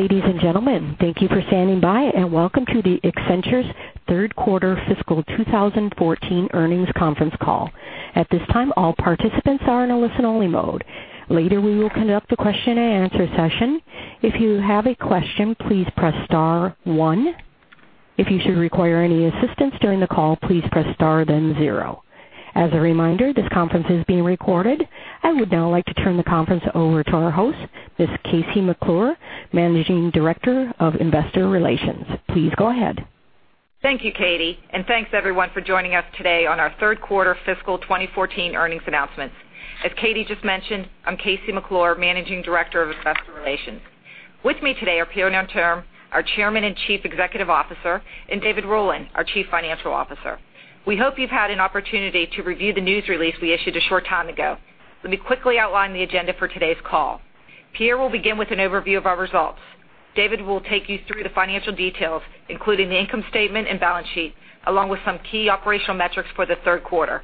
Ladies and gentlemen, thank you for standing by and welcome to Accenture's third quarter fiscal 2014 earnings conference call. At this time, all participants are in a listen-only mode. Later, we will conduct a question and answer session. If you have a question, please press star one. If you should require any assistance during the call, please press star, then zero. As a reminder, this conference is being recorded. I would now like to turn the conference over to our host, Ms. KC McClure, Managing Director of Investor Relations. Please go ahead. Thank you, Katie, and thanks, everyone, for joining us today on our third quarter fiscal 2014 earnings announcement. As Katie just mentioned, I'm KC McClure, Managing Director of Investor Relations. With me today are Pierre Nanterme, our Chairman and Chief Executive Officer, and David Rowland, our Chief Financial Officer. We hope you've had an opportunity to review the news release we issued a short time ago. Let me quickly outline the agenda for today's call. Pierre will begin with an overview of our results. David will take you through the financial details, including the income statement and balance sheet, along with some key operational metrics for the third quarter.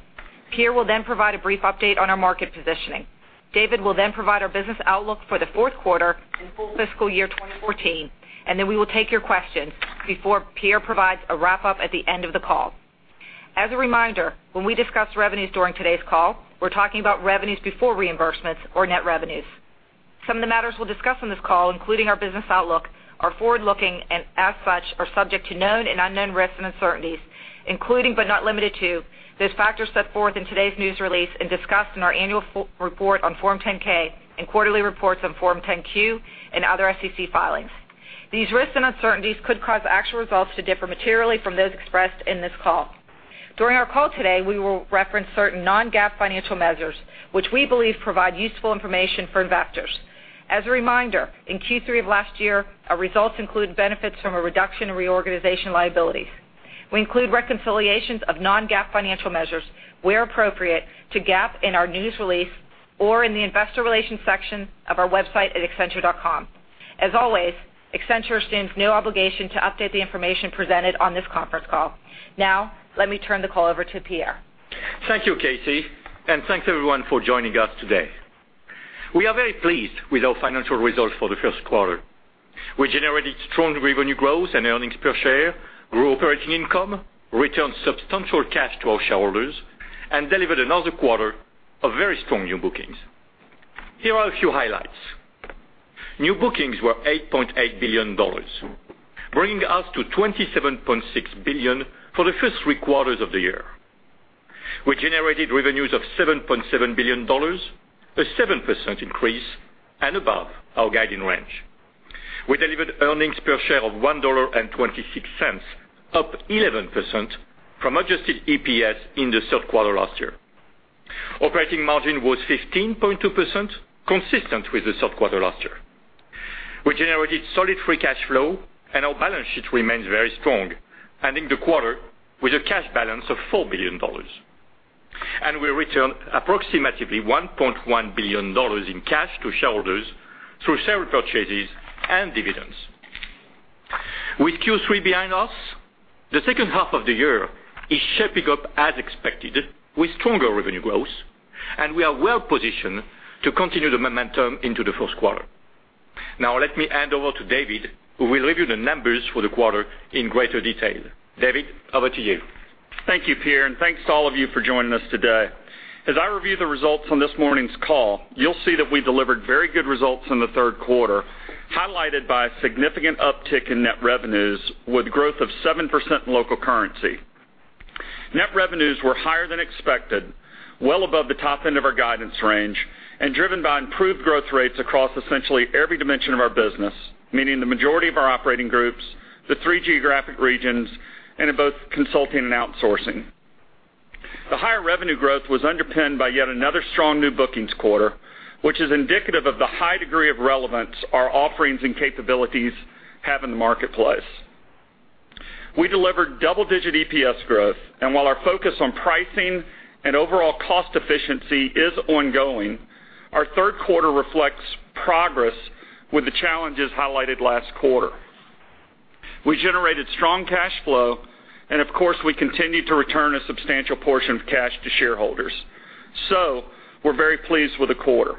Pierre will then provide a brief update on our market positioning. David will then provide our business outlook for the fourth quarter and full fiscal year 2014. Then we will take your questions before Pierre provides a wrap-up at the end of the call. As a reminder, when we discuss revenues during today's call, we're talking about revenues before reimbursements or net revenues. Some of the matters we'll discuss on this call, including our business outlook, are forward-looking, and as such, are subject to known and unknown risks and uncertainties, including but not limited to those factors set forth in today's news release and discussed in our annual report on Form 10-K and quarterly reports on Form 10-Q and other SEC filings. These risks and uncertainties could cause actual results to differ materially from those expressed in this call. During our call today, we will reference certain non-GAAP financial measures, which we believe provide useful information for investors. As a reminder, in Q3 of last year, our results include benefits from a reduction in reorganization liabilities. We include reconciliations of non-GAAP financial measures where appropriate to GAAP in our news release or in the investor relations section of our website at accenture.com. As always, Accenture assumes no obligation to update the information presented on this conference call. Let me turn the call over to Pierre. Thank you, KC, and thanks, everyone, for joining us today. We are very pleased with our financial results for the first quarter. We generated strong revenue growth and earnings per share, grew operating income, returned substantial cash to our shareholders, and delivered another quarter of very strong new bookings. Here are a few highlights. New bookings were $8.8 billion, bringing us to $27.6 billion for the first three quarters of the year. We generated revenues of $7.7 billion, a 7% increase and above our guiding range. We delivered earnings per share of $1.26, up 11% from adjusted EPS in the third quarter last year. Operating margin was 15.2%, consistent with the third quarter last year. We generated solid free cash flow and our balance sheet remains very strong, ending the quarter with a cash balance of $4 billion. We returned approximately $1.1 billion in cash to shareholders through share purchases and dividends. With Q3 behind us, the second half of the year is shaping up as expected with stronger revenue growth, and we are well positioned to continue the momentum into the first quarter. Now let me hand over to David, who will review the numbers for the quarter in greater detail. David, over to you. Thank you, Pierre, and thanks to all of you for joining us today. As I review the results on this morning's call, you will see that we delivered very good results in the third quarter, highlighted by a significant uptick in net revenues with growth of 7% in local currency. Net revenues were higher than expected, well above the top end of our guidance range, and driven by improved growth rates across essentially every dimension of our business, meaning the majority of our operating groups, the three geographic regions, and in both consulting and outsourcing. The higher revenue growth was underpinned by yet another strong new bookings quarter, which is indicative of the high degree of relevance our offerings and capabilities have in the marketplace. We delivered double-digit EPS growth, while our focus on pricing and overall cost efficiency is ongoing, our third quarter reflects progress with the challenges highlighted last quarter. We generated strong cash flow, of course, we continued to return a substantial portion of cash to shareholders. We are very pleased with the quarter.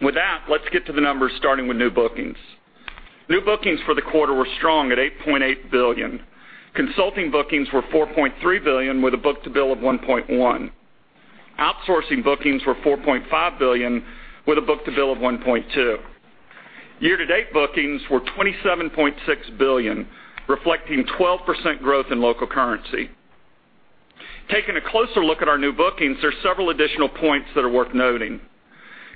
With that, let's get to the numbers, starting with new bookings. New bookings for the quarter were strong at $8.8 billion. Consulting bookings were $4.3 billion with a book-to-bill of 1.1. Outsourcing bookings were $4.5 billion with a book-to-bill of 1.2. Year-to-date bookings were $27.6 billion, reflecting 12% growth in local currency. Taking a closer look at our new bookings, there are several additional points that are worth noting.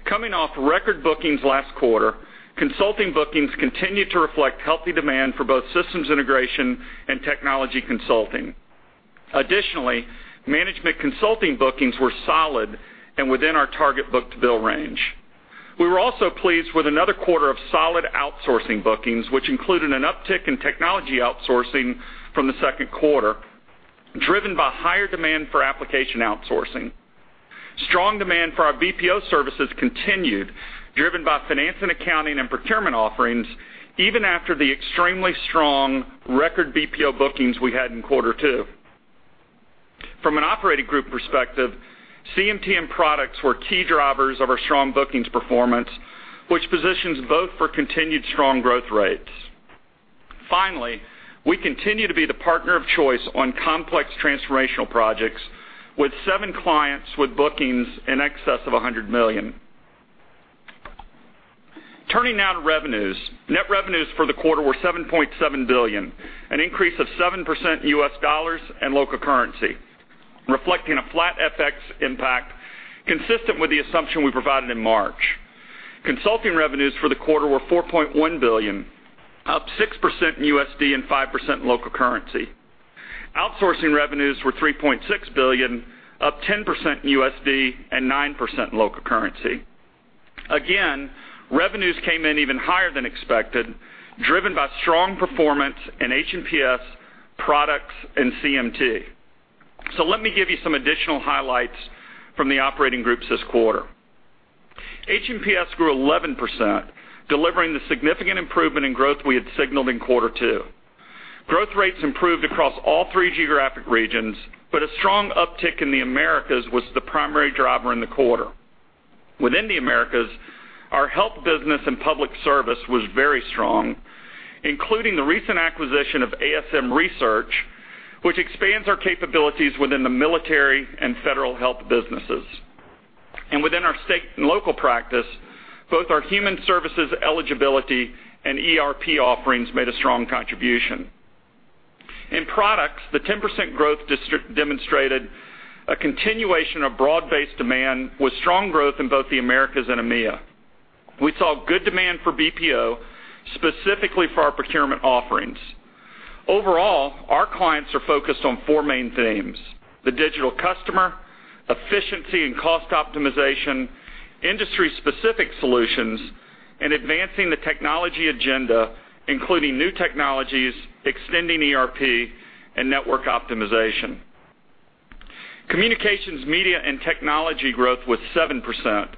Coming off record bookings last quarter, consulting bookings continued to reflect healthy demand for both systems integration and technology consulting. Additionally, management consulting bookings were solid and within our target book-to-bill range. We were also pleased with another quarter of solid outsourcing bookings, which included an uptick in technology outsourcing from the second quarter, driven by higher demand for application outsourcing. Strong demand for our BPO services continued, driven by finance and accounting and procurement offerings even after the extremely strong record BPO bookings we had in quarter two. From an operating group perspective, CMT and products were key drivers of our strong bookings performance, which positions both for continued strong growth rates. Finally, we continue to be the partner of choice on complex transformational projects, with seven clients with bookings in excess of $100 million. Turning now to revenues. Net revenues for the quarter were $7.7 billion, an increase of 7% U.S. dollars and local currency, reflecting a flat FX impact consistent with the assumption we provided in March. Consulting revenues for the quarter were $4.1 billion, up 6% in USD and 5% in local currency. Outsourcing revenues were $3.6 billion, up 10% in USD and 9% in local currency. Revenues came in even higher than expected, driven by strong performance in HNPS, products, and CMT. Let me give you some additional highlights from the operating groups this quarter. HNPS grew 11%, delivering the significant improvement in growth we had signaled in quarter two. Growth rates improved across all three geographic regions, but a strong uptick in the Americas was the primary driver in the quarter. Within the Americas, our health business and public service was very strong, including the recent acquisition of ASM Research, which expands our capabilities within the military and federal health businesses. And within our state and local practice, both our human services eligibility and ERP offerings made a strong contribution. In products, the 10% growth demonstrated a continuation of broad-based demand with strong growth in both the Americas and EMEA. We saw good demand for BPO, specifically for our procurement offerings. Overall, our clients are focused on four main themes: the digital customer, efficiency and cost optimization, industry-specific solutions, and advancing the technology agenda, including new technologies, extending ERP and network optimization. Communications, media, and technology growth was 7%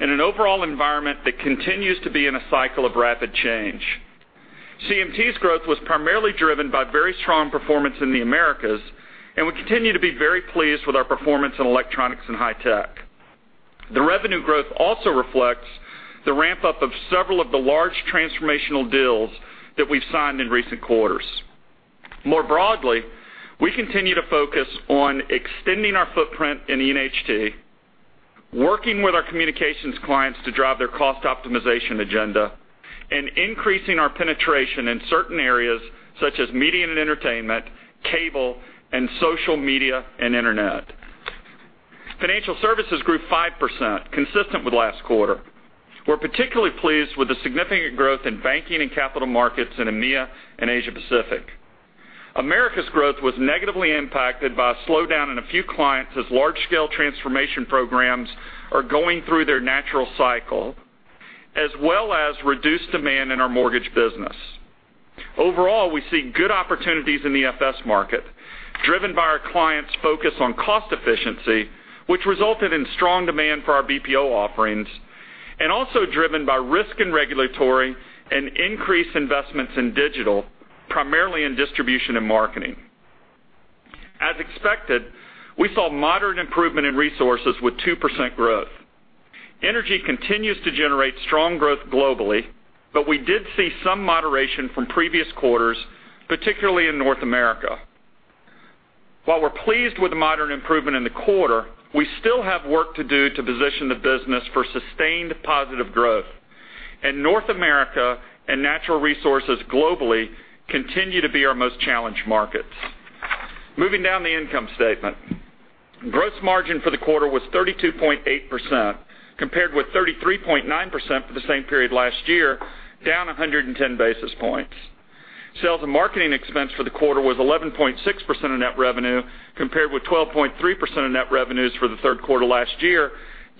in an overall environment that continues to be in a cycle of rapid change. CMT's growth was primarily driven by very strong performance in the Americas, and we continue to be very pleased with our performance in electronics and high tech. The revenue growth also reflects the ramp-up of several of the large transformational deals that we've signed in recent quarters. More broadly, we continue to focus on extending our footprint in E&HT, working with our communications clients to drive their cost optimization agenda, and increasing our penetration in certain areas such as media and entertainment, cable, and social media and internet. Financial services grew 5%, consistent with last quarter. We're particularly pleased with the significant growth in banking and capital markets in EMEA and Asia Pacific. Americas growth was negatively impacted by a slowdown in a few clients as large-scale transformation programs are going through their natural cycle, as well as reduced demand in our mortgage business. Overall, we see good opportunities in the FS market, driven by our clients' focus on cost efficiency, which resulted in strong demand for our BPO offerings, and also driven by risk and regulatory and increased investments in digital, primarily in distribution and marketing. As expected, we saw moderate improvement in resources with 2% growth. Energy continues to generate strong growth globally, but we did see some moderation from previous quarters, particularly in North America. While we're pleased with the moderate improvement in the quarter, we still have work to do to position the business for sustained positive growth. North America and natural resources globally continue to be our most challenged markets. Moving down the income statement. Gross margin for the quarter was 32.8%, compared with 33.9% for the same period last year, down 110 basis points. Sales and marketing expense for the quarter was 11.6% of net revenue, compared with 12.3% of net revenues for the third quarter last year,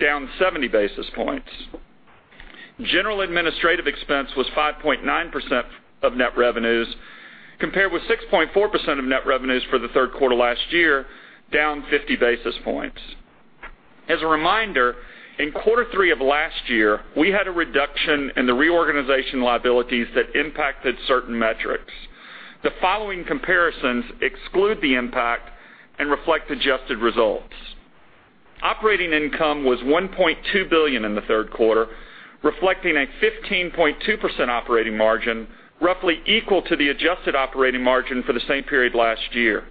down 70 basis points. General administrative expense was 5.9% of net revenues, compared with 6.4% of net revenues for the third quarter last year, down 50 basis points. As a reminder, in quarter three of last year, we had a reduction in the reorganization liabilities that impacted certain metrics. The following comparisons exclude the impact and reflect adjusted results. Operating income was $1.2 billion in the third quarter, reflecting a 15.2% operating margin, roughly equal to the adjusted operating margin for the same period last year.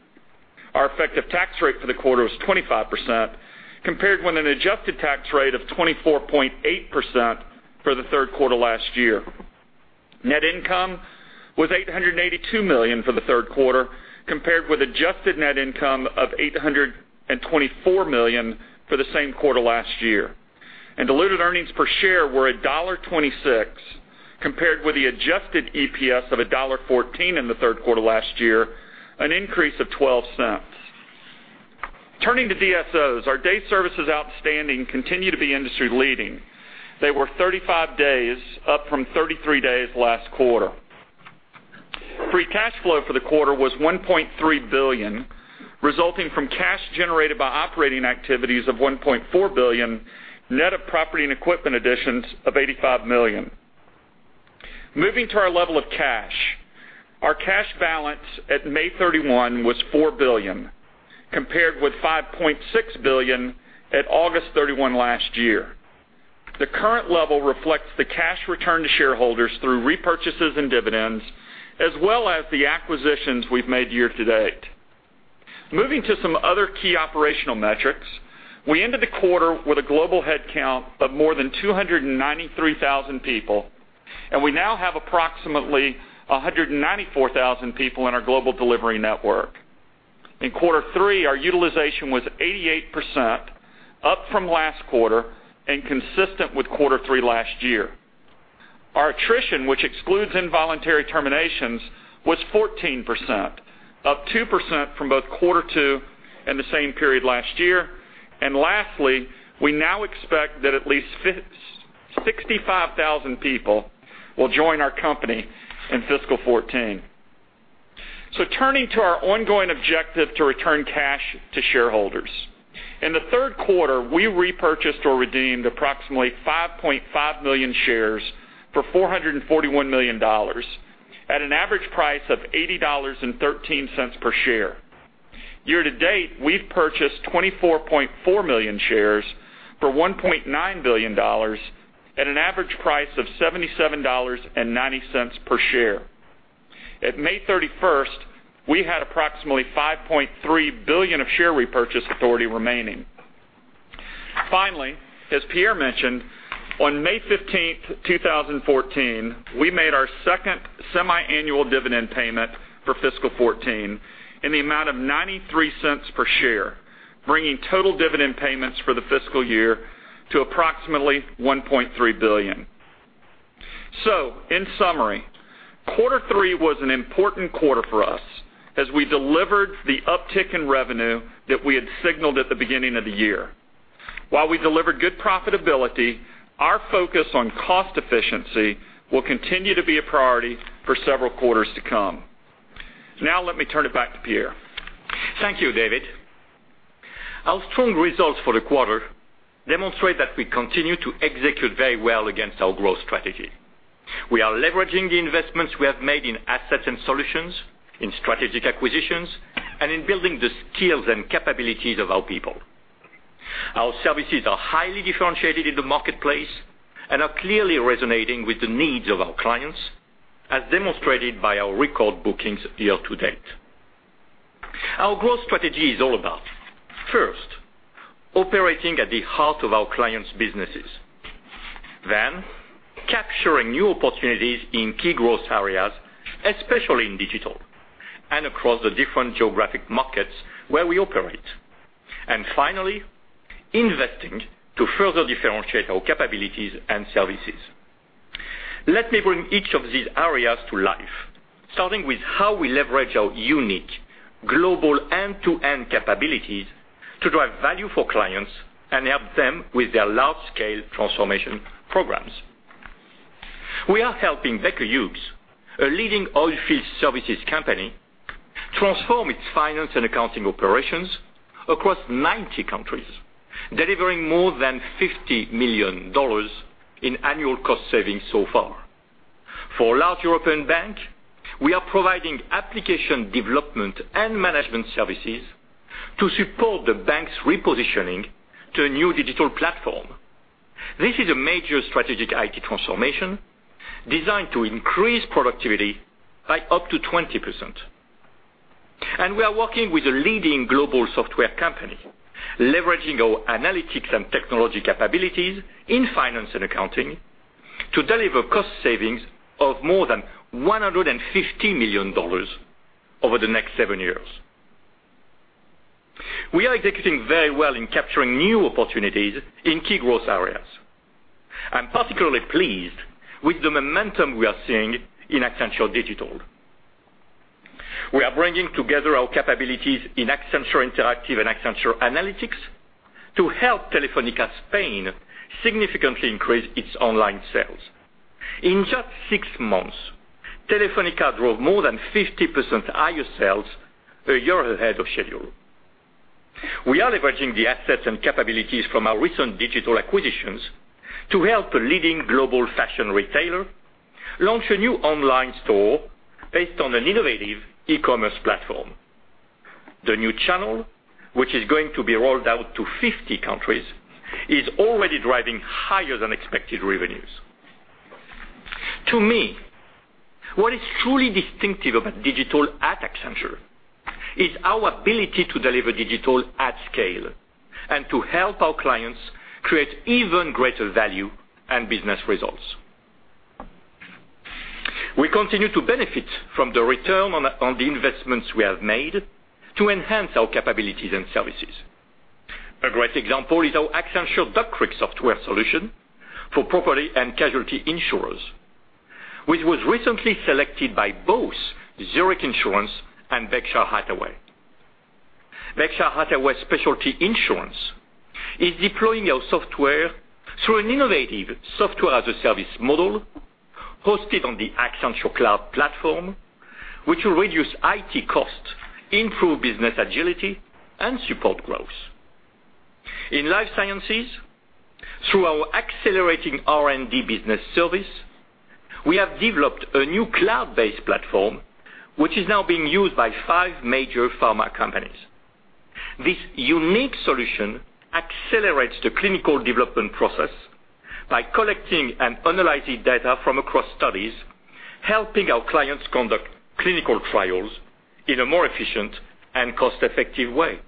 Our effective tax rate for the quarter was 25%, compared with an adjusted tax rate of 24.8% for the third quarter last year. Net income was $882 million for the third quarter, compared with adjusted net income of $824 million for the same quarter last year. Diluted earnings per share were $1.26, compared with the adjusted EPS of $1.14 in the third quarter last year, an increase of $0.12. Turning to DSOs. Our Days Services Outstanding continue to be industry-leading. They were 35 days, up from 33 days last quarter. Free cash flow for the quarter was $1.3 billion, resulting from cash generated by operating activities of $1.4 billion, net of property and equipment additions of $85 million. Moving to our level of cash. Our cash balance at May 31 was $4 billion, compared with $5.6 billion at August 31 last year. The current level reflects the cash returned to shareholders through repurchases and dividends, as well as the acquisitions we've made year to date. Moving to some other key operational metrics, we ended the quarter with a global head count of more than 293,000 people, and we now have approximately 194,000 people in our global delivery network. In quarter three, our utilization was 88%, up from last quarter and consistent with quarter three last year. Our attrition, which excludes involuntary terminations, was 14%, up 2% from both quarter two and the same period last year. Lastly, we now expect that at least 65,000 people will join our company in fiscal 2014. Turning to our ongoing objective to return cash to shareholders. In the third quarter, we repurchased or redeemed approximately 5.5 million shares for $441 million at an average price of $80.13 per share. Year to date, we've purchased 24.4 million shares for $1.9 billion at an average price of $77.90 per share. At May 31st, we had approximately $5.3 billion of share repurchase authority remaining. Finally, as Pierre mentioned, on May 15th, 2014, we made our second semiannual dividend payment for fiscal 2014 in the amount of $0.93 per share, bringing total dividend payments for the fiscal year to approximately $1.3 billion. In summary, quarter three was an important quarter for us as we delivered the uptick in revenue that we had signaled at the beginning of the year. While we delivered good profitability, our focus on cost efficiency will continue to be a priority for several quarters to come. Let me turn it back to Pierre. Thank you, David. Our strong results for the quarter demonstrate that we continue to execute very well against our growth strategy. We are leveraging the investments we have made in assets and solutions, in strategic acquisitions, and in building the skills and capabilities of our people. Our services are highly differentiated in the marketplace and are clearly resonating with the needs of our clients, as demonstrated by our record bookings year to date. Our growth strategy is all about, first, operating at the heart of our clients' businesses. Capturing new opportunities in key growth areas, especially in digital and across the different geographic markets where we operate. Finally, investing to further differentiate our capabilities and services. Let me bring each of these areas to life, starting with how we leverage our unique global end-to-end capabilities to drive value for clients and help them with their large-scale transformation programs. We are helping Baker Hughes, a leading oil field services company, transform its finance and accounting operations across 90 countries, delivering more than $50 million in annual cost savings so far. For a large European bank, we are providing application development and management services to support the bank's repositioning to a new digital platform. This is a major strategic IT transformation designed to increase productivity by up to 20%. We are working with a leading global software company, leveraging our analytics and technology capabilities in finance and accounting to deliver cost savings of more than $150 million over the next seven years. We are executing very well in capturing new opportunities in key growth areas. I'm particularly pleased with the momentum we are seeing in Accenture Digital. We are bringing together our capabilities in Accenture Interactive and Accenture Analytics to help Telefónica Spain significantly increase its online sales. In just six months, Telefónica drove more than 50% higher sales a year ahead of schedule. We are leveraging the assets and capabilities from our recent digital acquisitions to help a leading global fashion retailer launch a new online store based on an innovative e-commerce platform. The new channel, which is going to be rolled out to 50 countries, is already driving higher than expected revenues. To me, what is truly distinctive about digital at Accenture is our ability to deliver digital at scale and to help our clients create even greater value and business results. We continue to benefit from the return on the investments we have made to enhance our capabilities and services. A great example is our Accenture Duck Creek software solution for property and casualty insurers, which was recently selected by both Zurich Insurance and Berkshire Hathaway. Berkshire Hathaway Specialty Insurance is deploying our software through an innovative software as a service model hosted on the Accenture Cloud Platform, which will reduce IT costs, improve business agility, and support growth. In life sciences, through our accelerating R&D business service, we have developed a new cloud-based platform, which is now being used by five major pharma companies. This unique solution accelerates the clinical development process by collecting and analyzing data from across studies, helping our clients conduct clinical trials in a more efficient and cost-effective way.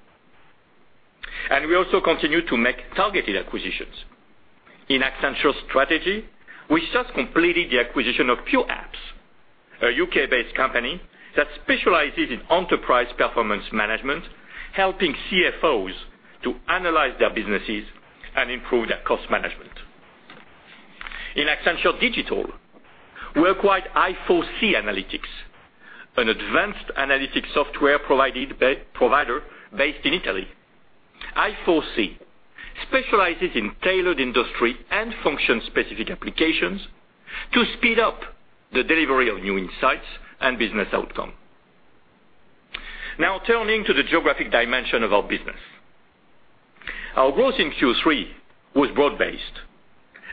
We also continue to make targeted acquisitions. In Accenture Strategy, we just completed the acquisition of PureApps, a U.K.-based company that specializes in enterprise performance management, helping CFOs to analyze their businesses and improve their cost management. In Accenture Digital, we acquired i4C Analytics, an advanced analytics software provider based in Italy. i4C specializes in tailored industry and function-specific applications to speed up the delivery of new insights and business outcome. Turning to the geographic dimension of our business. Our growth in Q3 was broad-based,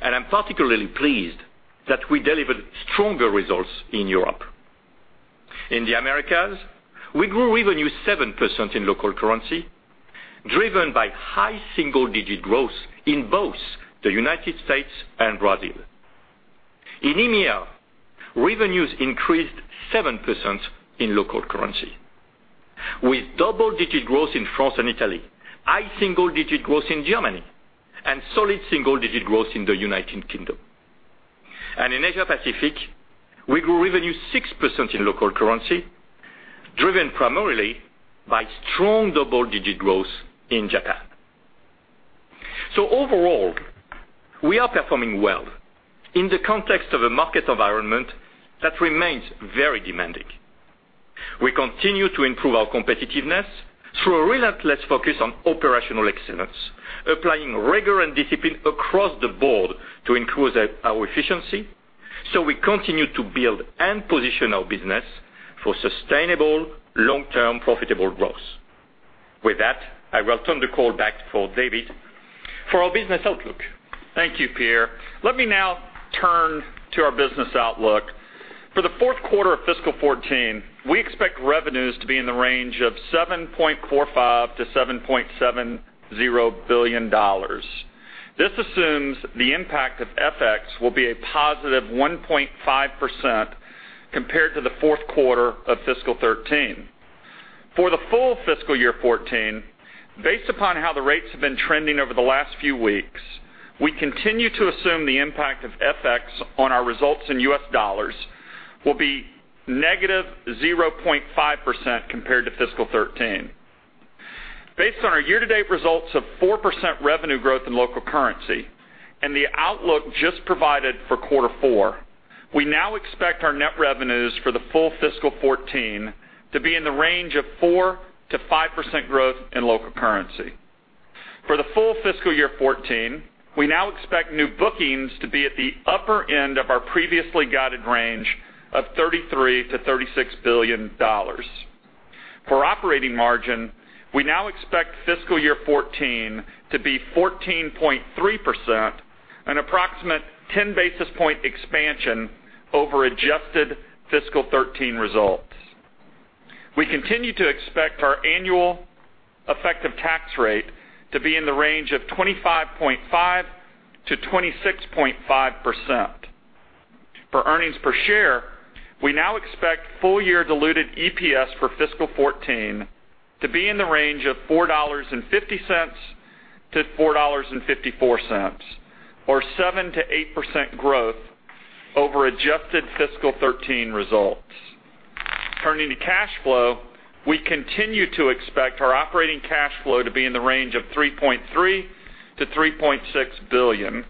and I'm particularly pleased that we delivered stronger results in Europe. In the Americas, we grew revenue 7% in local currency, driven by high single-digit growth in both the U.S. and Brazil. In EMEA, revenues increased 7% in local currency, with double-digit growth in France and Italy, high single-digit growth in Germany, and solid single-digit growth in the U.K. In Asia Pacific, we grew revenue 6% in local currency, driven primarily by strong double-digit growth in Japan. Overall, we are performing well in the context of a market environment that remains very demanding. We continue to improve our competitiveness through a relentless focus on operational excellence, applying rigor and discipline across the board to improve our efficiency. We continue to build and position our business for sustainable long-term profitable growth. With that, I will turn the call back for David for our business outlook. Thank you, Pierre. Let me now turn to our business outlook. For the fourth quarter of fiscal 2014, we expect revenues to be in the range of $7.45 billion-$7.70 billion. This assumes the impact of FX will be a positive 1.5% compared to the fourth quarter of fiscal 2013. For the full fiscal year 2014, based upon how the rates have been trending over the last few weeks, we continue to assume the impact of FX on our results in US dollars will be negative 0.5% compared to fiscal 2013. Based on our year-to-date results of 4% revenue growth in local currency and the outlook just provided for quarter four, we now expect our net revenues for the full fiscal 2014 to be in the range of 4%-5% growth in local currency. For the full fiscal year 2014, we now expect new bookings to be at the upper end of our previously guided range of $33 billion-$36 billion. For operating margin, we now expect fiscal year 2014 to be 14.3%, an approximate 10-basis point expansion over adjusted fiscal 2013 results. We continue to expect our annual effective tax rate to be in the range of 25.5%-26.5%. For earnings per share, we now expect full-year diluted EPS for fiscal 2014 to be in the range of $4.50-$4.54 or 7%-8% growth over adjusted fiscal 2013 results. Turning to cash flow, we continue to expect our operating cash flow to be in the range of $3.3 billion-$3.6 billion,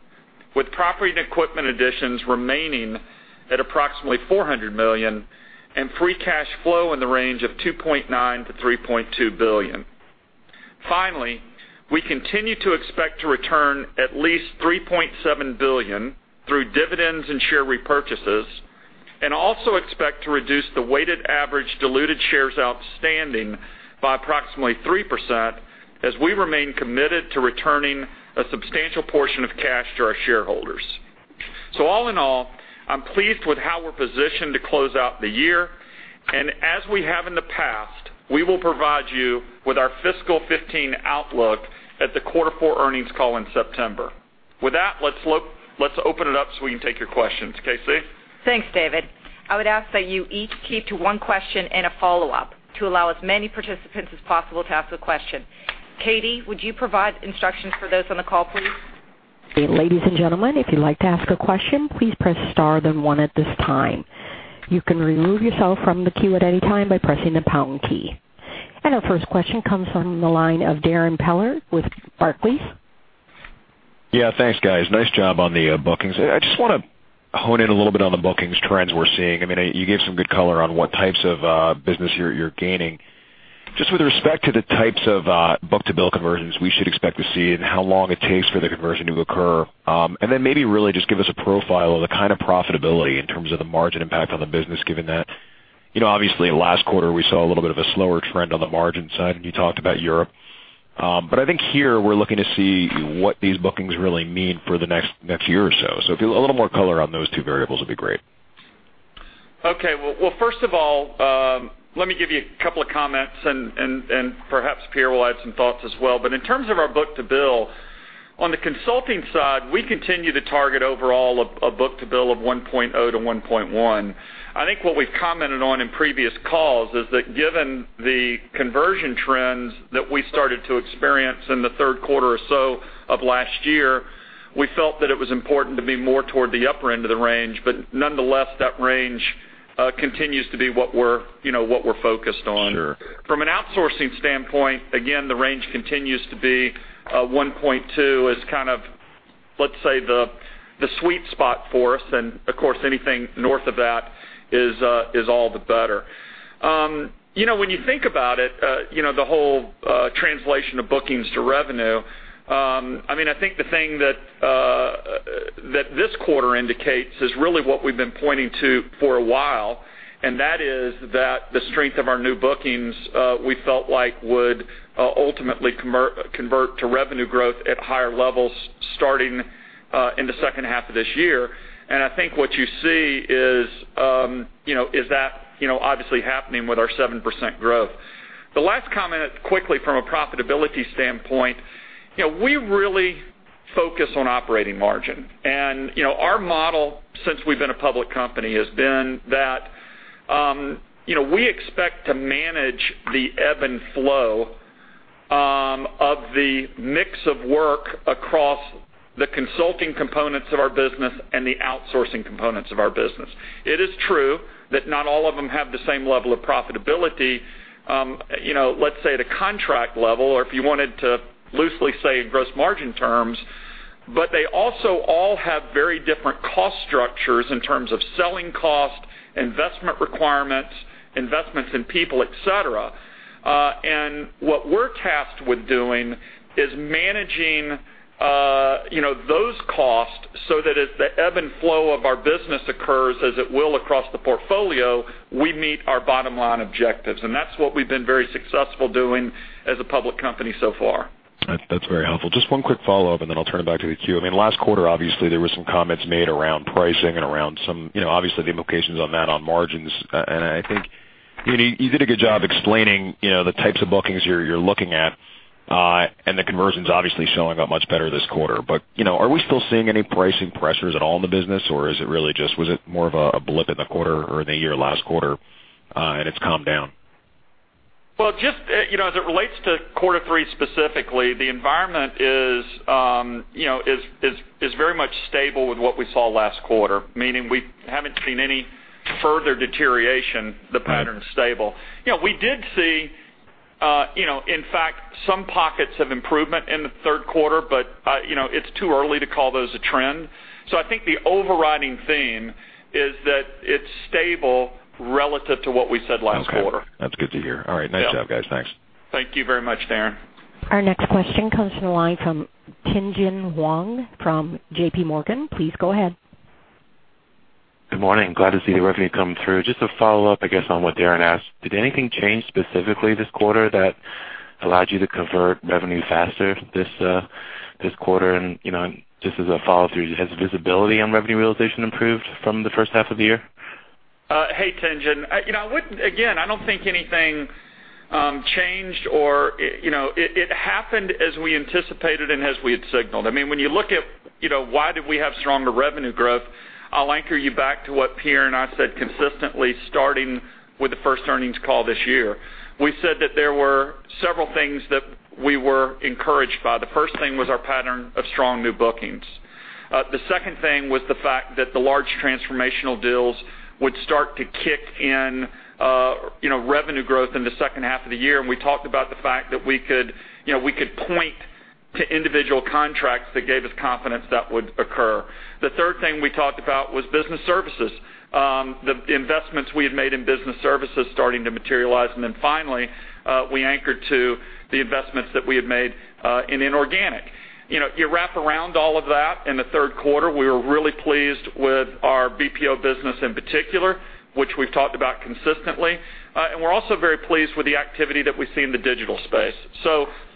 with property and equipment additions remaining at approximately $400 million, and free cash flow in the range of $2.9 billion-$3.2 billion. Finally, we continue to expect to return at least $3.7 billion through dividends and share repurchases, and also expect to reduce the weighted average diluted shares outstanding by approximately 3% as we remain committed to returning a substantial portion of cash to our shareholders. All in all, I'm pleased with how we're positioned to close out the year. As we have in the past, we will provide you with our fiscal 2015 outlook at the quarter four earnings call in September. With that, let's open it up so we can take your questions. KC? Thanks, David. I would ask that you each keep to one question and a follow-up to allow as many participants as possible to ask a question. Katie, would you provide instructions for those on the call, please? Ladies and gentlemen, if you'd like to ask a question, please press star then one at this time. You can remove yourself from the queue at any time by pressing the pound key. Our first question comes from the line of Darrin Peller with Barclays. Thanks, guys. Nice job on the bookings. I just want to hone in a little bit on the bookings trends we're seeing. You gave some good color on what types of business you're gaining. Just with respect to the types of book-to-bill conversions we should expect to see and how long it takes for the conversion to occur, and then maybe really just give us a profile of the kind of profitability in terms of the margin impact on the business, given that. Obviously, last quarter, we saw a little bit of a slower trend on the margin side, and you talked about Europe. A little more color on those two variables would be great. Okay. Well, first of all, let me give you a couple of comments, and perhaps Pierre will add some thoughts as well. In terms of our book-to-bill, on the consulting side, we continue to target overall a book-to-bill of 1.0 to 1.1. I think what we've commented on in previous calls is that given the conversion trends that we started to experience in the third quarter or so of last year, we felt that it was important to be more toward the upper end of the range. Nonetheless, that range continues to be what we're focused on. Sure. From an outsourcing standpoint, again, the range continues to be 1.2 as kind of, let's say, the sweet spot for us. Of course, anything north of that is all the better. When you think about it, the whole translation of bookings to revenue, I think the thing that this quarter indicates is really what we've been pointing to for a while, and that is that the strength of our new bookings, we felt like would ultimately convert to revenue growth at higher levels starting in the second half of this year. I think what you see is that obviously happening with our 7% growth. The last comment quickly from a profitability standpoint, we really focus on operating margin. Our model since we've been a public company has been that we expect to manage the ebb and flow of the mix of work across the consulting components of our business and the outsourcing components of our business. It is true that not all of them have the same level of profitability, let's say at a contract level or if you wanted to loosely say in gross margin terms, but they also all have very different cost structures in terms of selling cost, investment requirements, investments in people, et cetera. What we're tasked with doing is managing those costs so that as the ebb and flow of our business occurs as it will across the portfolio, we meet our bottom-line objectives. That's what we've been very successful doing as a public company so far. That's very helpful. Just one quick follow-up, and then I'll turn it back to the queue. Last quarter, obviously, there were some comments made around pricing and around some, obviously, the implications on that on margins. I think you did a good job explaining the types of bookings you're looking at and the conversions obviously showing up much better this quarter. Are we still seeing any pricing pressures at all in the business, or is it really just was it more of a blip in the quarter or in the year last quarter and it's calmed down? Well, just as it relates to quarter 3 specifically, the environment is very much stable with what we saw last quarter, meaning we haven't seen any further deterioration. The pattern's stable. We did see, in fact, some pockets of improvement in the third quarter, but it's too early to call those a trend. I think the overriding theme is that it's stable relative to what we said last quarter. Okay. That's good to hear. All right. Nice job, guys. Thanks. Thank you very much, Darrin. Our next question comes from the line from Tien-Tsin Huang from J.P. Morgan. Please go ahead. Good morning. Glad to see the revenue coming through. Just a follow-up, I guess, on what Darrin asked. Did anything change specifically this quarter that allowed you to convert revenue faster this quarter? Just as a follow-through, has visibility on revenue realization improved from the first half of the year? Hey, Tien-Tsin. Again, I don't think anything changed or It happened as we anticipated and as we had signaled. When you look at why did we have stronger revenue growth, I'll anchor you back to what Pierre and I said consistently starting with the first earnings call this year. We said that there were several things that we were encouraged by. The first thing was our pattern of strong new bookings. The second thing was the fact that the large transformational deals would start to kick in revenue growth in the second half of the year, and we talked about the fact that we could point to individual contracts that gave us confidence that would occur. The third thing we talked about was business services. The investments we had made in business services starting to materialize. Then finally, we anchored to the investments that we had made in inorganic. You wrap around all of that in the third quarter, we were really pleased with our BPO business in particular, which we've talked about consistently. We're also very pleased with the activity that we see in the digital space.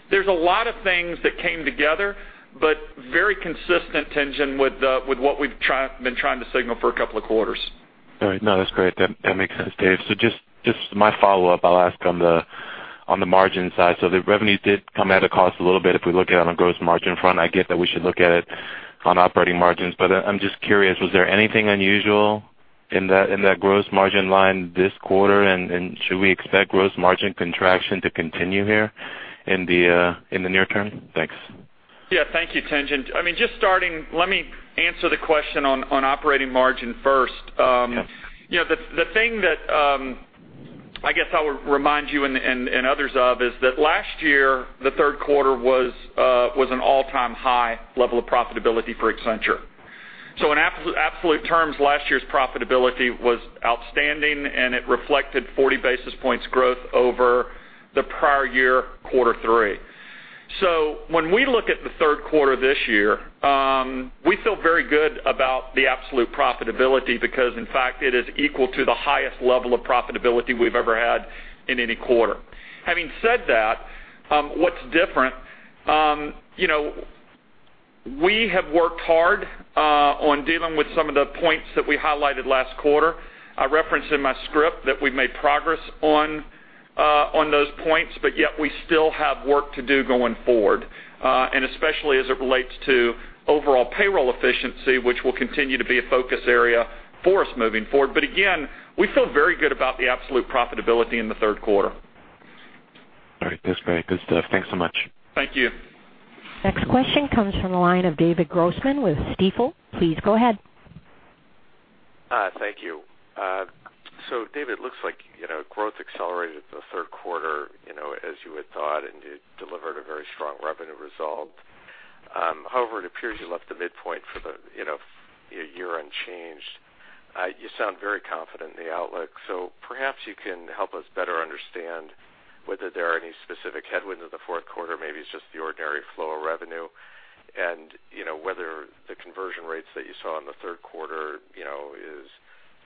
There's a lot of things that came together, but very consistent, Tien-Tsin, with what we've been trying to signal for a couple of quarters. All right. No, that's great. That makes sense, Dave. Just my follow-up, I'll ask on the margin side. The revenues did come at a cost a little bit if we look at it on a gross margin front. I get that we should look at it on operating margins, but I'm just curious, was there anything unusual in that gross margin line this quarter? Should we expect gross margin contraction to continue here in the near term? Thanks. Yeah. Thank you, Tien-Tsin. Just starting, let me answer the question on operating margin first. Okay. The thing that I guess I would remind you and others of is that last year, the third quarter was an all-time high level of profitability for Accenture. In absolute terms, last year's profitability was outstanding, and it reflected 40 basis points growth over the prior year, quarter three. When we look at the third quarter this year, we feel very good about the absolute profitability because, in fact, it is equal to the highest level of profitability we've ever had in any quarter. Having said that, what's different. We have worked hard on dealing with some of the points that we highlighted last quarter. I referenced in my script that we've made progress on those points, but yet we still have work to do going forward, and especially as it relates to overall payroll efficiency, which will continue to be a focus area for us moving forward. Again, we feel very good about the absolute profitability in the third quarter. All right. That's very good stuff. Thanks so much. Thank you. Next question comes from the line of David Grossman with Stifel. Please go ahead. Hi, thank you. David, looks like growth accelerated the third quarter, as you had thought, and you delivered a very strong revenue result. However, it appears you left the midpoint for the year unchanged. You sound very confident in the outlook, so perhaps you can help us better understand whether there are any specific headwinds in the fourth quarter. Maybe it's just the ordinary flow of revenue and whether the conversion rates that you saw in the third quarter is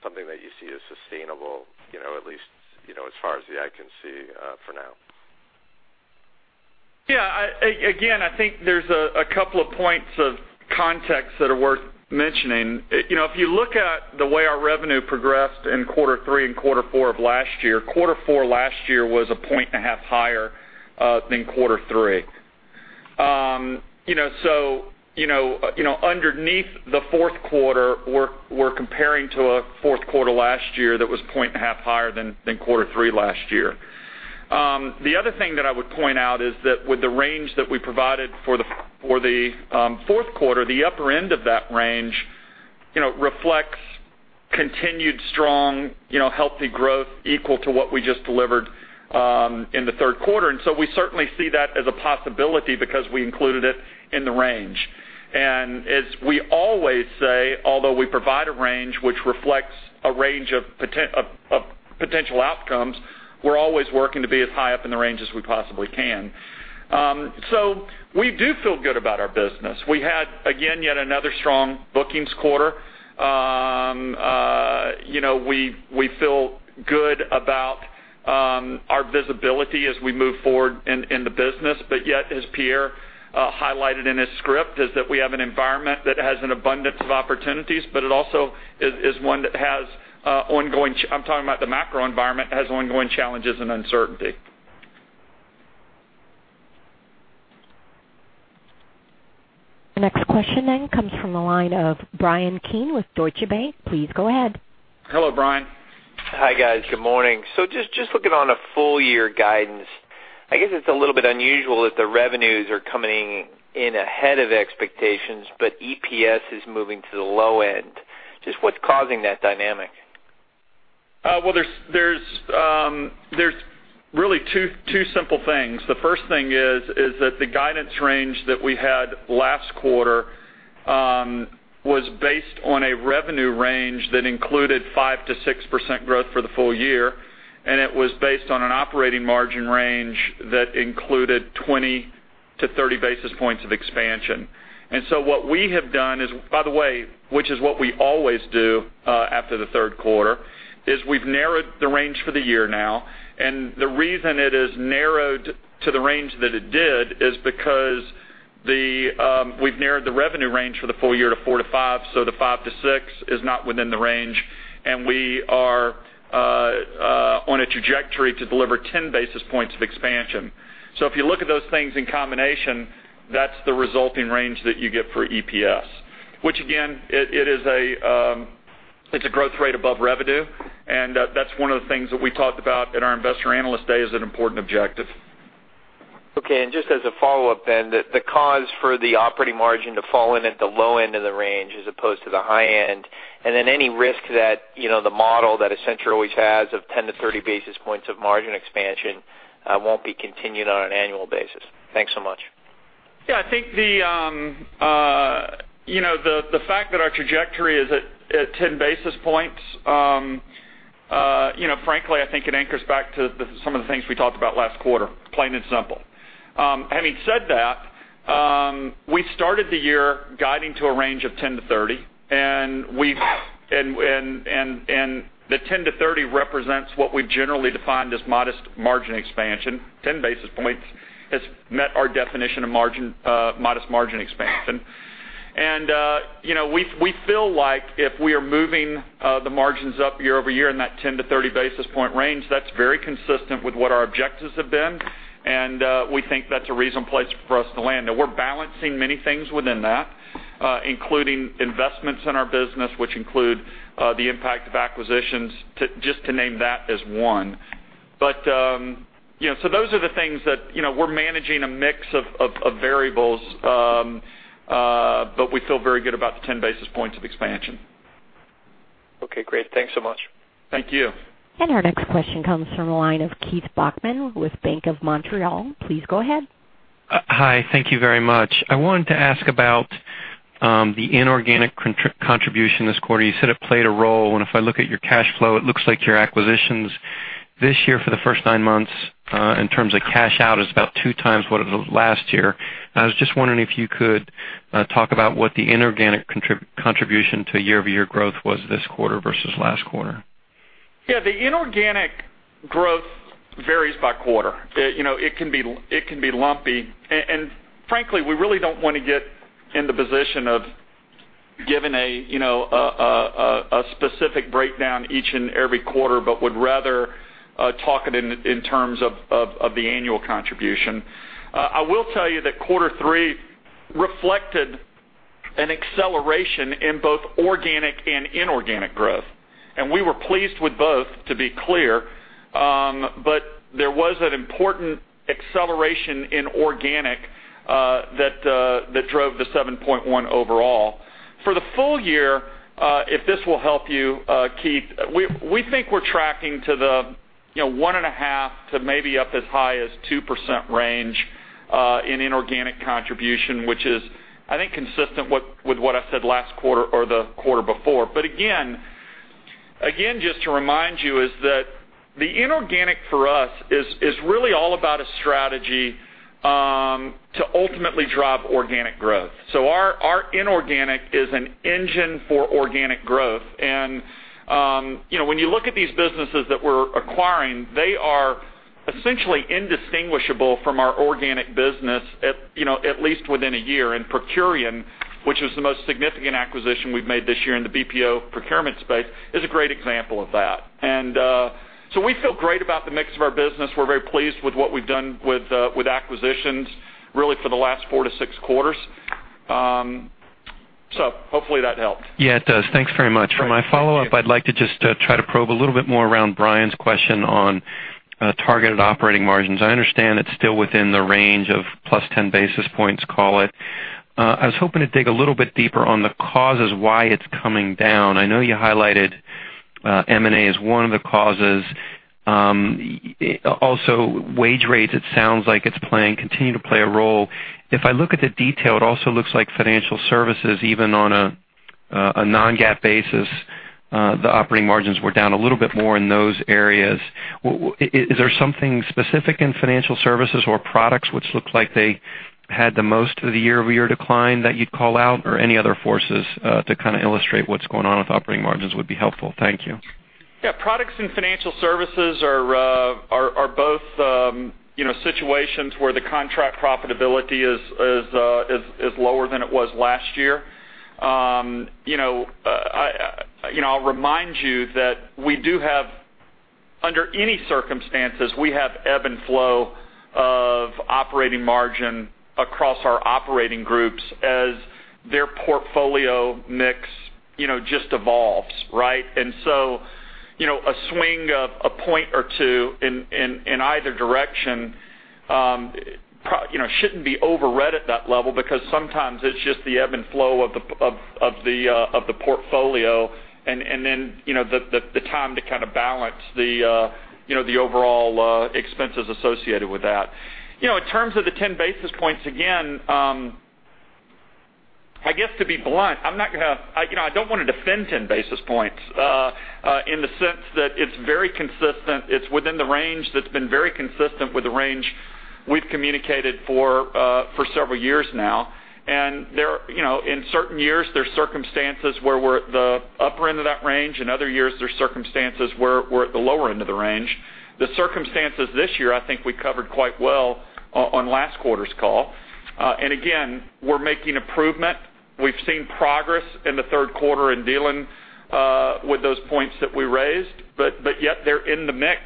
something that you see as sustainable, at least, as far as the eye can see for now. Yeah. Again, I think there's a couple of points of context that are worth mentioning. If you look at the way our revenue progressed in quarter three and quarter four of last year, quarter four last year was a point and a half higher than quarter three. Underneath the fourth quarter, we're comparing to a fourth quarter last year that was a point and a half higher than quarter three last year. The other thing that I would point out is that with the range that we provided for the fourth quarter, the upper end of that range reflects continued strong, healthy growth equal to what we just delivered in the third quarter. We certainly see that as a possibility because we included it in the range. As we always say, although we provide a range which reflects a range of potential outcomes, we're always working to be as high up in the range as we possibly can. We do feel good about our business. We had, again, yet another strong bookings quarter. We feel good about our visibility as we move forward in the business. Yet, as Pierre highlighted in his script, is that we have an environment that has an abundance of opportunities, but it also is one that has ongoing, I'm talking about the macro environment, has ongoing challenges and uncertainty. The next question comes from the line of Bryan Keane with Deutsche Bank. Please go ahead. Hello, Bryan. Hi, guys. Good morning. Just looking on a full year guidance, I guess it's a little bit unusual that the revenues are coming in ahead of expectations, but EPS is moving to the low end. Just what's causing that dynamic? Well, there's really two simple things. The first thing is that the guidance range that we had last quarter was based on a revenue range that included 5% to 6% growth for the full year, and it was based on an operating margin range that included 20 to 30 basis points of expansion. What we have done is, by the way, which is what we always do after the third quarter, is we've narrowed the range for the year now. The reason it is narrowed to the range that it did is because we've narrowed the revenue range for the full year to 4%-5%, so the 5%-6% is not within the range, and we are on a trajectory to deliver 10 basis points of expansion. If you look at those things in combination, that's the resulting range that you get for EPS. Which again, it's a growth rate above revenue, and that's one of the things that we talked about at our Investor-Analyst Day as an important objective. Okay, just as a follow-up, the cause for the operating margin to fall in at the low end of the range as opposed to the high end, and then any risk that the model that Accenture always has of 10 to 30 basis points of margin expansion won't be continued on an annual basis? Thanks so much. Yeah, I think the fact that our trajectory is at 10 basis points, frankly, I think it anchors back to some of the things we talked about last quarter, plain and simple. Having said that, we started the year guiding to a range of 10-30, and the 10-30 represents what we've generally defined as modest margin expansion. 10 basis points has met our definition of modest margin expansion. We feel like if we are moving the margins up year-over-year in that 10-30 basis point range, that's very consistent with what our objectives have been, and we think that's a reasonable place for us to land. Now we're balancing many things within that, including investments in our business, which include, the impact of acquisitions just to name that as one. Those are the things that we're managing a mix of variables, but we feel very good about the 10 basis points of expansion. Okay, great. Thanks so much. Thank you. Our next question comes from a line of Keith Bachman with BMO Capital Markets. Please go ahead. Hi. Thank you very much. I wanted to ask about the inorganic contribution this quarter. You said it played a role, and if I look at your cash flow, it looks like your acquisitions this year for the first nine months, in terms of cash out, is about two times what it was last year. I was just wondering if you could talk about what the inorganic contribution to year-over-year growth was this quarter versus last quarter. Yeah, the inorganic growth varies by quarter. It can be lumpy, and frankly, we really don't want to get in the position of giving a specific breakdown each and every quarter, but would rather talk it in terms of the annual contribution. I will tell you that quarter three reflected an acceleration in both organic and inorganic growth, and we were pleased with both, to be clear, but there was an important acceleration in organic that drove the 7.1 overall. For the full year, if this will help you, Keith, we think we're tracking to the 1.5%-2% range in inorganic contribution, which is, I think, consistent with what I said last quarter or the quarter before. Again, just to remind you, is that the inorganic for us is really all about a strategy to ultimately drive organic growth. Our inorganic is an engine for organic growth. When you look at these businesses that we're acquiring, they are essentially indistinguishable from our organic business at least within a year. Procurian, which is the most significant acquisition we've made this year in the BPO procurement space, is a great example of that. We feel great about the mix of our business. We're very pleased with what we've done with acquisitions really for the last 4-6 quarters. Hopefully that helped. It does. Thanks very much. Great. Thank you. For my follow-up, I'd like to just try to probe a little bit more around Bryan's question on targeted operating margins. I understand it's still within the range of plus 10 basis points, call it. I was hoping to dig a little bit deeper on the causes why it's coming down. I know you highlighted M&A as one of the causes. Also wage rates, it sounds like it continues to play a role. If I look at the detail, it also looks like financial services, even on a non-GAAP basis, the operating margins were down a little bit more in those areas. Is there something specific in financial services or products which look like they had the most of the year-over-year decline that you'd call out or any other forces to kind of illustrate what's going on with operating margins would be helpful. Thank you. Products and financial services are both situations where the contract profitability is lower than it was last year. I'll remind you that under any circumstances, we have ebb and flow of operating margin across our operating groups as their portfolio mix just evolves, right? A swing of a point or two in either direction shouldn't be overread at that level because sometimes it's just the ebb and flow of the portfolio and then the time to kind of balance the overall expenses associated with that. In terms of the 10 basis points, again, I guess to be blunt, I don't want to defend 10 basis points, in the sense that it's very consistent. It's within the range that's been very consistent with the range we've communicated for several years now. In certain years, there's circumstances where we're at the upper end of that range. In other years, there's circumstances where we're at the lower end of the range. The circumstances this year, I think we covered quite well on last quarter's call. Again, we're making improvement. We've seen progress in the third quarter in dealing with those points that we raised, but yet they're in the mix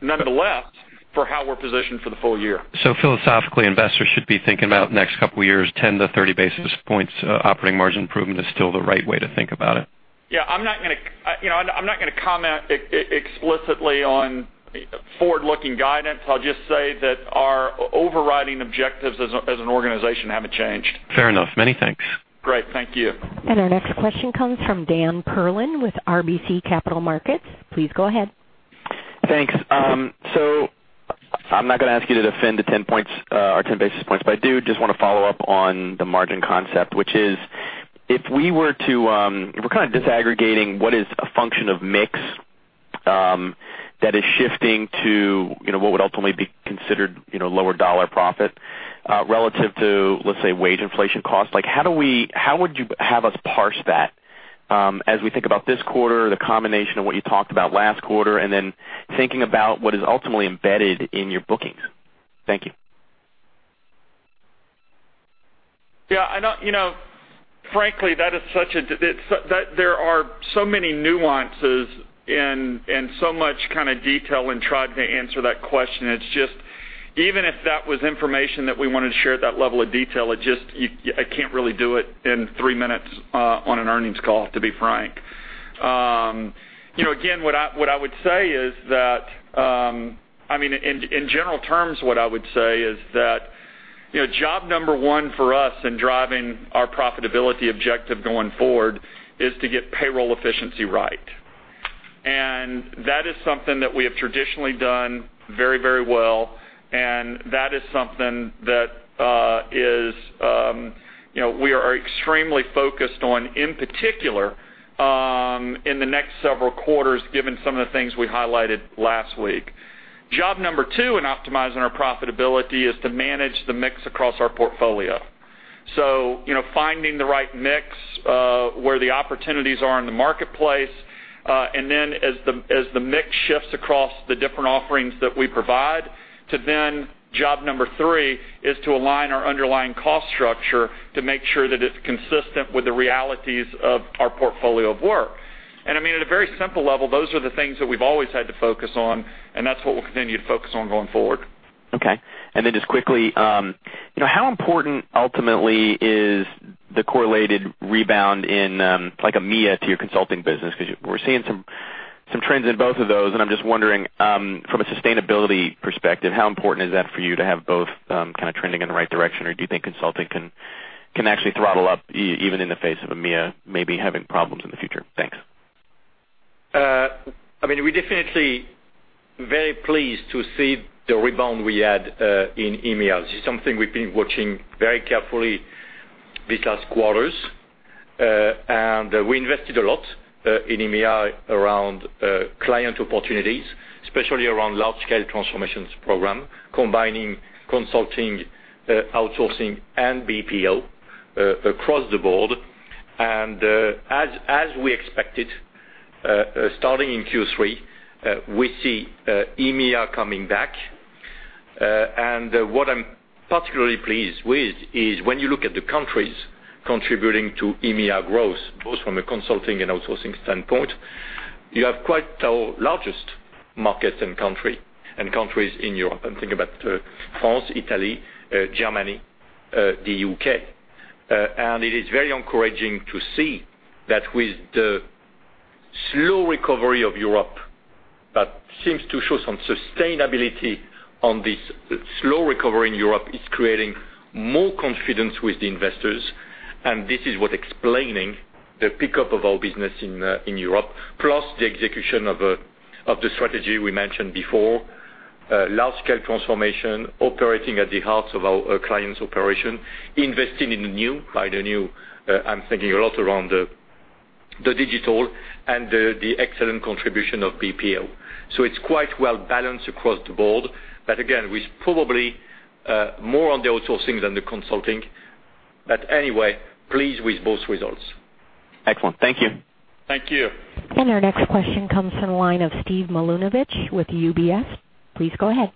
nonetheless for how we're positioned for the full year. Philosophically, investors should be thinking about next couple of years, 10-30 basis points operating margin improvement is still the right way to think about it. Yeah, I'm not going to comment explicitly on forward-looking guidance. I'll just say that our overriding objectives as an organization haven't changed. Fair enough. Many thanks. Great. Thank you. Our next question comes from Daniel Perlin with RBC Capital Markets. Please go ahead. Thanks. I'm not going to ask you to defend the 10 points or 10 basis points, but I do just want to follow up on the margin concept, which is, if we're kind of disaggregating what is a function of mix that is shifting to what would ultimately be considered lower $ profit relative to, let's say, wage inflation cost, how would you have us parse that as we think about this quarter, the combination of what you talked about last quarter, and then thinking about what is ultimately embedded in your bookings? Thank you. Yeah. Frankly, there are so many nuances and so much kind of detail in trying to answer that question. It's just even if that was information that we wanted to share at that level of detail, I can't really do it in three minutes on an earnings call, to be frank. Again, in general terms, what I would say is that job number 1 for us in driving our profitability objective going forward is to get payroll efficiency right. That is something that we have traditionally done very well, and that is something that we are extremely focused on, in particular, in the next several quarters, given some of the things we highlighted last week. Job number 2 in optimizing our profitability is to manage the mix across our portfolio. Finding the right mix where the opportunities are in the marketplace. as the mix shifts across the different offerings that we provide to then job number 3 is to align our underlying cost structure to make sure that it's consistent with the realities of our portfolio of work. I mean, at a very simple level, those are the things that we've always had to focus on, and that's what we'll continue to focus on going forward. Okay. Just quickly, how important ultimately is the correlated rebound in, like EMEA to your consulting business? Because we're seeing some trends in both of those, and I'm just wondering, from a sustainability perspective, how important is that for you to have both kind of trending in the right direction? Or do you think consulting can actually throttle up even in the face of EMEA maybe having problems in the future? Thanks. I mean, we're definitely very pleased to see the rebound we had in EMEA. This is something we've been watching very carefully these last quarters. We invested a lot in EMEA around client opportunities, especially around large-scale transformations program, combining consulting, outsourcing, and BPO across the board. As we expected, starting in Q3, we see EMEA coming back. What I'm particularly pleased with is when you look at the countries contributing to EMEA growth, both from a consulting and outsourcing standpoint, you have quite our largest markets and countries in Europe. I'm thinking about France, Italy, Germany, the U.K. It is very encouraging to see that with the slow recovery of Europe, that seems to show some sustainability on this slow recovery in Europe is creating more confidence with the investors, and this is what explaining the pickup of our business in Europe. The execution of the strategy we mentioned before. Large-scale transformation, operating at the heart of our client's operation, investing in the new. By the new, I'm thinking a lot around the digital and the excellent contribution of BPO. It's quite well-balanced across the board. Again, with probably more on the outsourcing than the consulting. Anyway, pleased with both results. Excellent. Thank you. Thank you. Our next question comes from the line of Steven Milunovich with UBS. Please go ahead.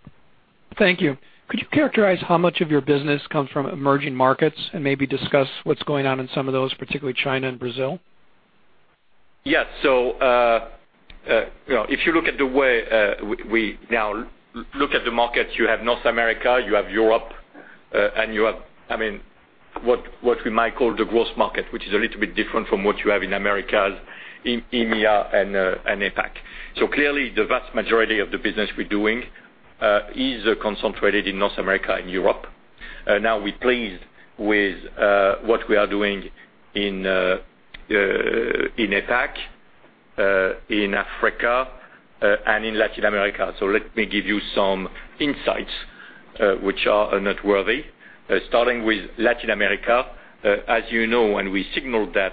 Thank you. Could you characterize how much of your business comes from emerging markets and maybe discuss what's going on in some of those, particularly China and Brazil? Yes. If you look at the way we now look at the market, you have North America, you have Europe, and you have, I mean, what we might call the growth market, which is a little bit different from what you have in Americas, in EMEA and APAC. Clearly, the vast majority of the business we're doing is concentrated in North America and Europe. We're pleased with what we are doing in APAC, in Africa, and in Latin America. Let me give you some insights, which are noteworthy. Starting with Latin America. As you know, and we signaled that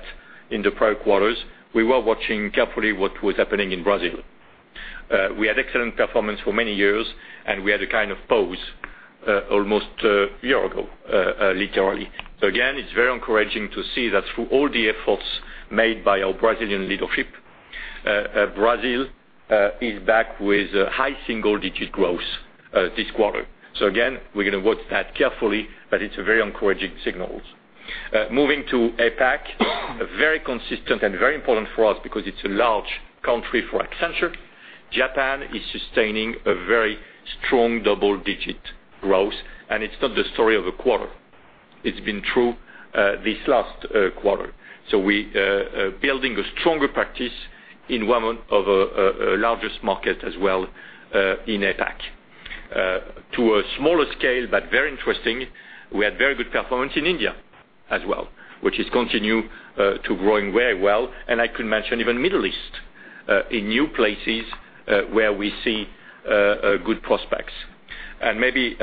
in the prior quarters, we were watching carefully what was happening in Brazil. We had excellent performance for many years, and we had a kind of pause almost a year ago, literally. Again, it's very encouraging to see that through all the efforts made by our Brazilian leadership, Brazil is back with high single-digit growth this quarter. Again, we're going to watch that carefully, but it's a very encouraging signal. Moving to APAC, very consistent and very important for us because it's a large country for Accenture. Japan is sustaining a very strong double-digit growth, and it's not the story of a quarter. It's been through this last quarter. We building a stronger practice in one of our largest market as well in APAC. To a smaller scale, but very interesting, we had very good performance in India as well, which is continue to growing very well. I could mention even Middle East, in new places, where we see good prospects. Maybe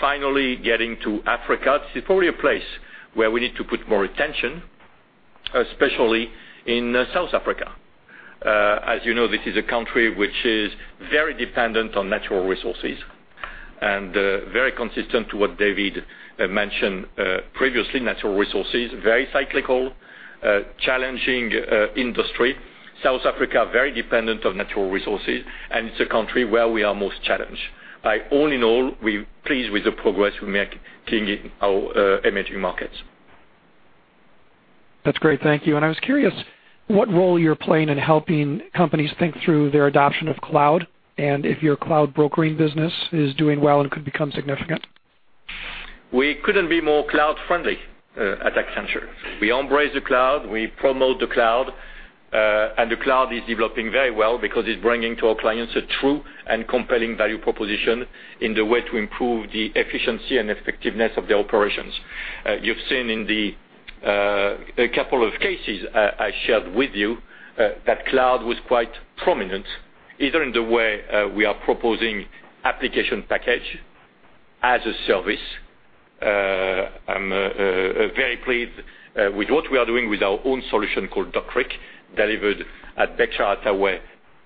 finally getting to Africa. This is probably a place where we need to put more attention, especially in South Africa. As you know, this is a country which is very dependent on natural resources. Very consistent to what David mentioned previously, natural resources, very cyclical, challenging industry. South Africa, very dependent on natural resources, and it's a country where we are most challenged. All in all, we're pleased with the progress we're making in our emerging markets. That's great. Thank you. I was curious what role you're playing in helping companies think through their adoption of cloud, and if your cloud brokering business is doing well and could become significant. We couldn't be more cloud friendly at Accenture. We embrace the cloud, we promote the cloud, the cloud is developing very well because it's bringing to our clients a true and compelling value proposition in the way to improve the efficiency and effectiveness of their operations. You've seen in the couple of cases I shared with you that cloud was quite prominent, either in the way we are proposing application package as a service. I'm very pleased with what we are doing with our own solution called Accenture Duck Creek, delivered at Bechtel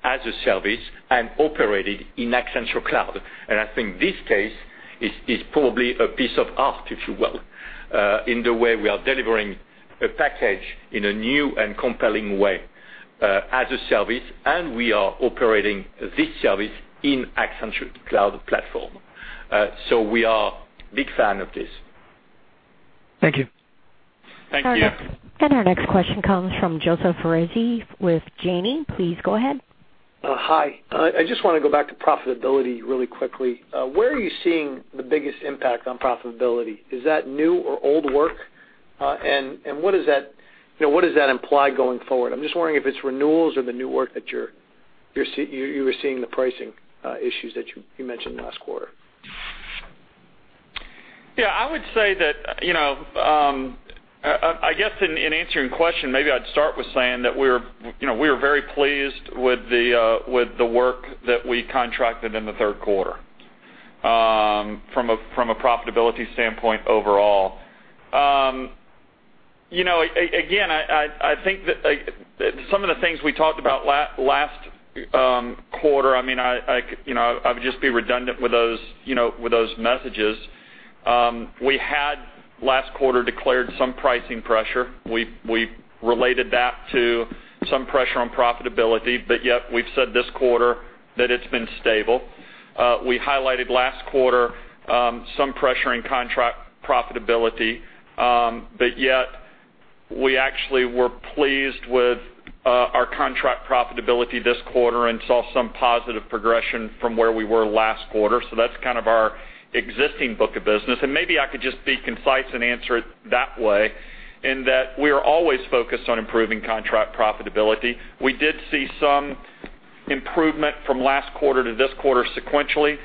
as a service and operated in Accenture Cloud. I think this case is probably a piece of art, if you will, in the way we are delivering a package in a new and compelling way as a service, and we are operating this service in Accenture Cloud platform. We are big fan of this. Thank you. Thank you. Our next question comes from Joseph Foresi with Janney. Please go ahead. Hi. I just want to go back to profitability really quickly. Where are you seeing the biggest impact on profitability? Is that new or old work? What does that imply going forward? I'm just wondering if it's renewals or the new work that you were seeing the pricing issues that you mentioned last quarter. Yeah, I would say that, I guess in answering your question, maybe I'd start with saying that we're very pleased with the work that we contracted in the third quarter from a profitability standpoint overall. Again, I think that some of the things we talked about last quarter, I would just be redundant with those messages. We had last quarter declared some pricing pressure. We related that to some pressure on profitability, but yet we've said this quarter that it's been stable. We highlighted last quarter some pressure in contract profitability, but yet we actually were pleased with our contract profitability this quarter and saw some positive progression from where we were last quarter. That's kind of our existing book of business. Maybe I could just be concise and answer it that way, in that we are always focused on improving contract profitability. We did see some improvement from last quarter to this quarter sequentially.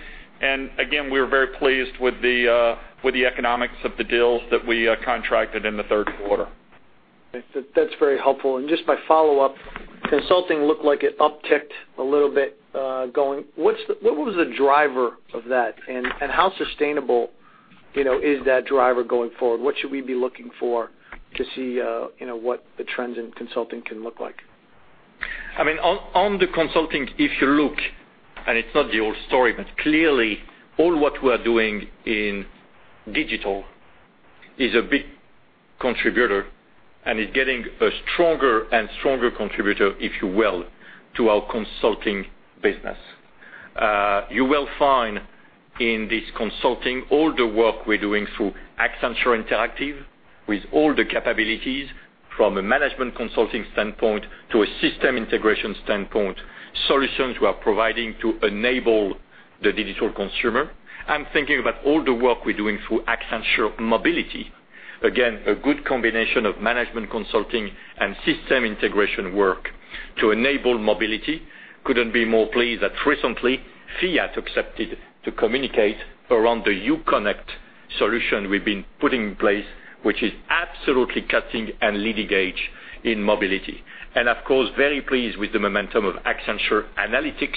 Again, we were very pleased with the economics of the deals that we contracted in the third quarter. That's very helpful. Just my follow-up, consulting looked like it upticked a little bit going. What was the driver of that and how sustainable is that driver going forward? What should we be looking for to see what the trends in consulting can look like? On the consulting, if you look, and it's not the old story, but clearly all what we're doing in digital is a big contributor and is getting a stronger and stronger contributor, if you will, to our consulting business. You will find in this consulting all the work we're doing through Accenture Interactive with all the capabilities from a management consulting standpoint to a system integration standpoint, solutions we are providing to enable the digital consumer. I'm thinking about all the work we're doing through Accenture Mobility. Again, a good combination of management consulting and system integration work to enable mobility. Couldn't be more pleased that recently Fiat accepted to communicate around the Uconnect solution we've been putting in place, which is absolutely cutting and leading edge in mobility. Of course, very pleased with the momentum of Accenture Analytics,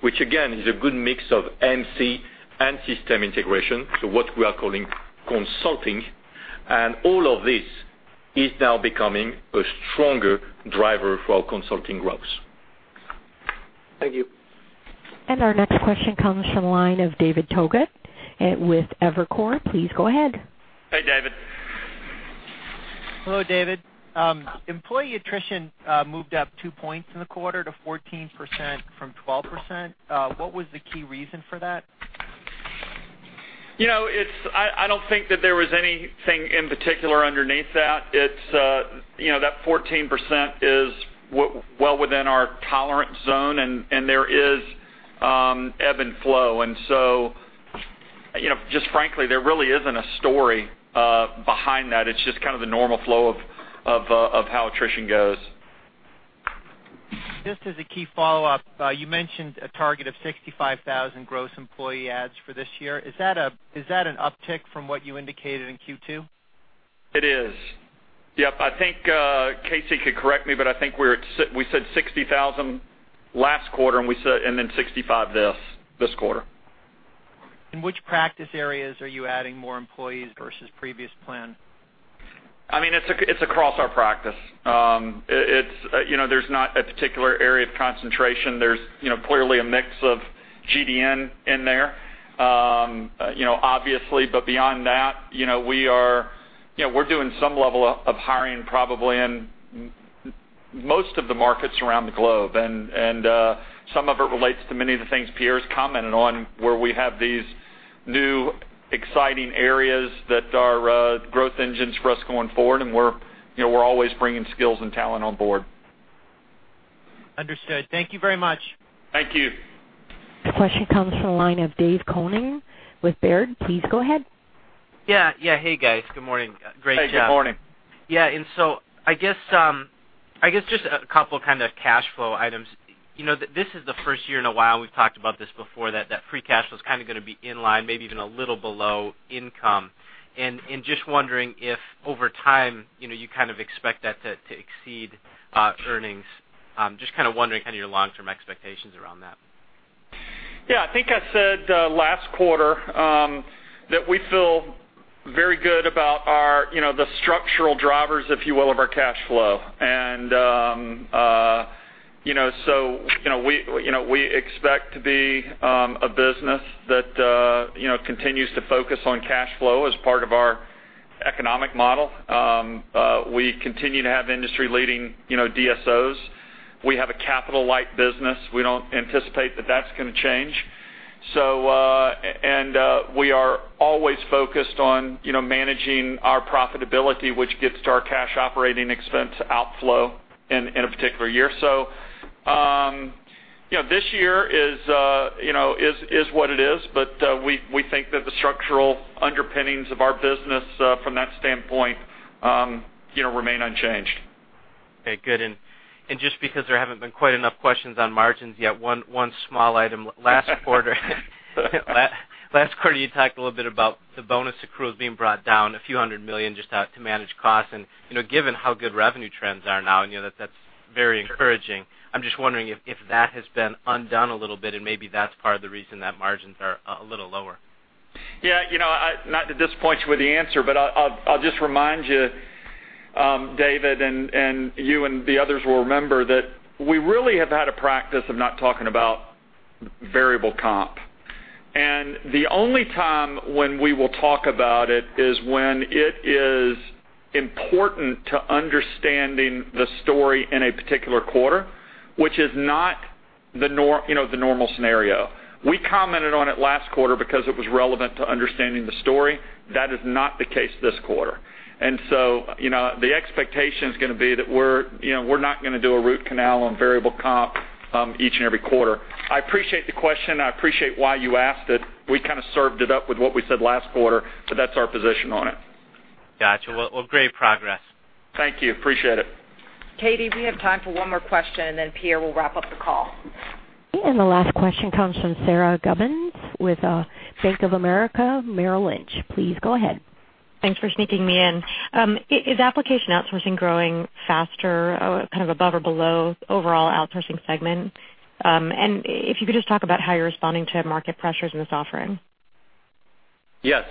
which again, is a good mix of MC and system integration. What we are calling consulting, and all of this is now becoming a stronger driver for our consulting growth. Thank you. Our next question comes from the line of David Togut with Evercore. Please go ahead. Hey, David. Hello, David. Employee attrition moved up two points in the quarter to 14% from 12%. What was the key reason for that? I don't think that there was anything in particular underneath that. That 14% is well within our tolerance zone, and there is ebb and flow. Just frankly, there really isn't a story behind that. It's just kind of the normal flow of how attrition goes. Just as a key follow-up, you mentioned a target of 65,000 gross employee adds for this year. Is that an uptick from what you indicated in Q2? It is. Yep. I think Casey could correct me, but I think we said 60,000 last quarter and then 65 this quarter. In which practice areas are you adding more employees versus previous plan? It's across our practice. There's not a particular area of concentration. There's clearly a mix of GDN in there. Obviously, beyond that, we're doing some level of hiring probably in most of the markets around the globe. Some of it relates to many of the things Pierre's commented on, where we have these new exciting areas that are growth engines for us going forward, and we're always bringing skills and talent on board. Understood. Thank you very much. Thank you. The question comes from the line of David Koning with Baird. Please go ahead. Yeah. Hey, guys. Good morning. Great job. Hey, good morning. Yeah, I guess just two kind of cash flow items. This is the first year in a while we've talked about this before, that free cash flow is kind of going to be in line, maybe even a little below income. Just wondering if over time, you kind of expect that to exceed earnings. Just kind of wondering kind of your long-term expectations around that. Yeah, I think I said last quarter that we feel very good about the structural drivers, if you will, of our cash flow. We expect to be a business that continues to focus on cash flow as part of our economic model. We continue to have industry-leading DSOs. We have a capital-light business. We don't anticipate that that's going to change. We are always focused on managing our profitability, which gets to our cash operating expense outflow in a particular year. This year is what it is, but we think that the structural underpinnings of our business from that standpoint remain unchanged. Okay, good. Just because there haven't been quite enough questions on margins yet, one small item. Last quarter, you talked a little bit about the bonus accruals being brought down $few hundred million just to manage costs. Given how good revenue trends are now, that's very encouraging. I'm just wondering if that has been undone a little bit, and maybe that's part of the reason that margins are a little lower. Yeah. Not to disappoint you with the answer, but I'll just remind you, David, and you and the others will remember, that we really have had a practice of not talking about variable comp. The only time when we will talk about it is when it is important to understanding the story in a particular quarter, which is not the normal scenario. We commented on it last quarter because it was relevant to understanding the story. That is not the case this quarter. The expectation's going to be that we're not going to do a root canal on variable comp each and every quarter. I appreciate the question. I appreciate why you asked it. We kind of served it up with what we said last quarter, but that's our position on it. Got you. Well, great progress. Thank you. Appreciate it. KC, we have time for one more question, then Pierre will wrap up the call. The last question comes from Sara Gubins with Bank of America Merrill Lynch. Please go ahead. Thanks for sneaking me in. Is application outsourcing growing faster, kind of above or below overall outsourcing segment? If you could just talk about how you're responding to market pressures in the software. Yes.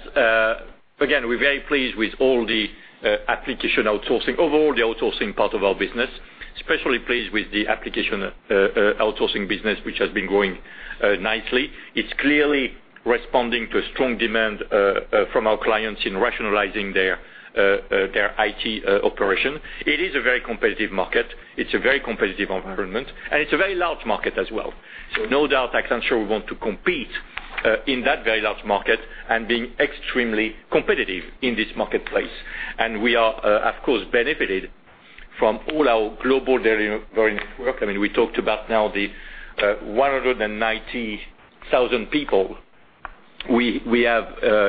Again, we're very pleased with all the application outsourcing, overall the outsourcing part of our business, especially pleased with the application outsourcing business, which has been growing nicely. It's clearly responding to a strong demand from our clients in rationalizing their IT operation. It is a very competitive market. It's a very competitive environment, and it's a very large market as well. No doubt, Accenture want to compete in that very large market and being extremely competitive in this marketplace. We are, of course, benefited from all our Global Delivery Network. I mean, we talked about now the 190,000 people we have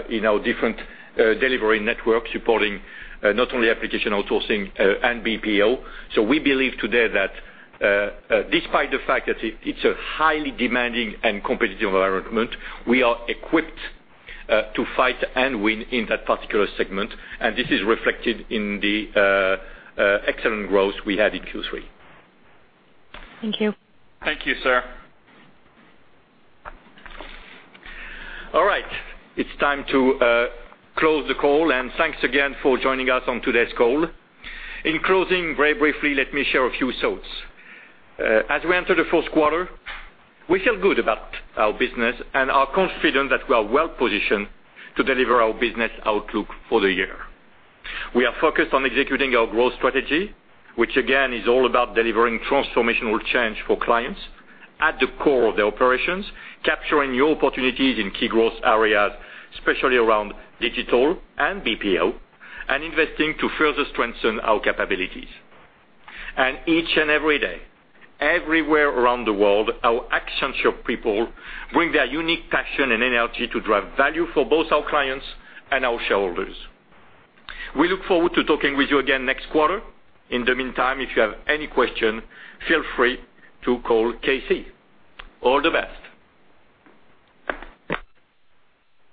in our different delivery networks supporting not only application outsourcing and BPO. We believe today that despite the fact that it's a highly demanding and competitive environment, we are equipped to fight and win in that particular segment, this is reflected in the excellent growth we had in Q3. Thank you. Thank you, Sara. All right. It's time to close the call. Thanks again for joining us on today's call. In closing, very briefly, let me share a few thoughts. As we enter the fourth quarter, we feel good about our business and are confident that we are well-positioned to deliver our business outlook for the year. We are focused on executing our growth strategy, which again is all about delivering transformational change for clients at the core of their operations, capturing new opportunities in key growth areas, especially around digital and BPO, and investing to further strengthen our capabilities. Each and every day, everywhere around the world, our Accenture people bring their unique passion and energy to drive value for both our clients and our shareholders. We look forward to talking with you again next quarter. In the meantime, if you have any question, feel free to call KC. All the best.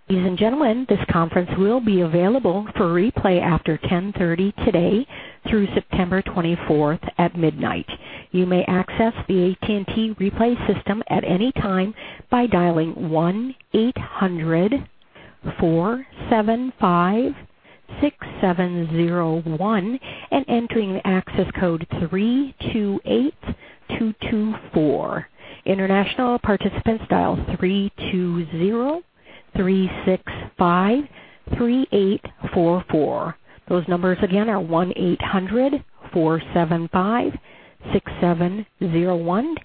Ladies and gentlemen, this conference will be available for replay after 10:30 today through September 24th at midnight. You may access the AT&T replay system at any time by dialing 1-800-475-6701 and entering access code 328224. International participants dial 3203653844. Those numbers again are 1-800-475-6701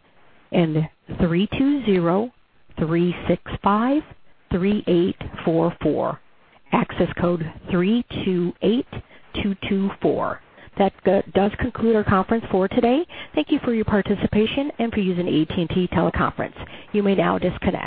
and 3203653844. Access code 328224. That does conclude our conference for today. Thank you for your participation and for using AT&T Teleconference. You may now disconnect.